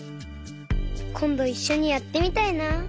こんどいっしょにやってみたいな。